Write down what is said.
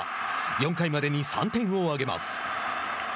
４回までに３点を挙げます。